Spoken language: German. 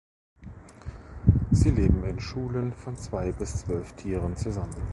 Sie leben in Schulen von zwei bis zwölf Tieren zusammen.